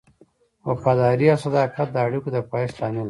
وفاداري او صداقت د اړیکو د پایښت لامل دی.